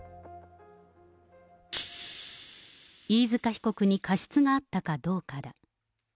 飯塚被告に過失があったかどうかだ。